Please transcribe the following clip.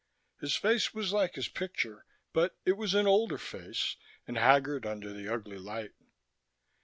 His face was like his picture, but it was an older face and haggard under the ugly light.